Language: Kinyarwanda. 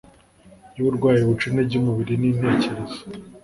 yuburwayi buca intege umubiri nintekerezo